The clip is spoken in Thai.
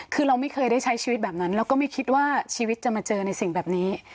คือเราไม่เคยได้ใช้ชีวิตแบบนั้นเราก็ไม่คิดว่าชีวิตจะมาเจอในสิ่งแบบนี้